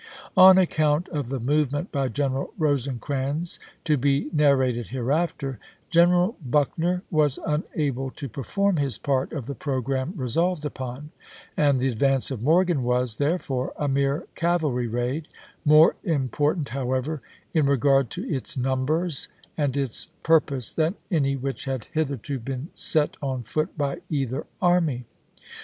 On account of the movement by General Rose crans, to be narrated hereafter, General Buckner was unable to perform his part of the programme resolved upon, and the advance of Morgan was, therefore, a mere cavalry raid, more important, however, in regard to its numbers and its pur pose than any which had hitherto been set on foot by either army.